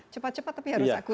cepat cepat tapi harus akui